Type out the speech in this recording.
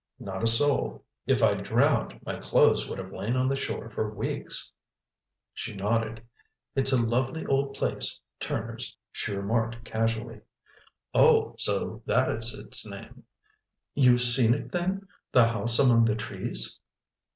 "Not a soul. If I'd drowned, my clothes would have lain on the shore for weeks." She nodded. "It's a lovely old place, Turner's," she remarked casually. "Oh, so that is its name!" "You've seen it then—the house among the trees?"